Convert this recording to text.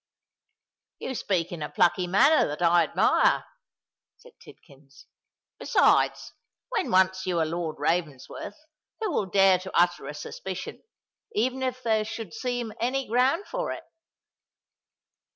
"You speak in a plucky manner that I admire," said Tidkins. "Besides, when once you are Lord Ravensworth, who will dare to utter a suspicion—even if there should seem any ground for it?"